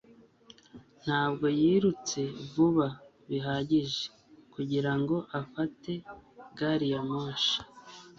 Ntabwo yirutse vuba bihagije kugirango afate gari ya moshi